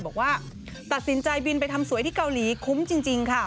บอกว่าตัดสินใจบินไปทำสวยที่เกาหลีคุ้มจริงค่ะ